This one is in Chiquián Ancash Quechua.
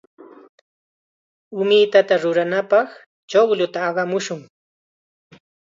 Umitata ruranapaq chuqlluta aqamushun.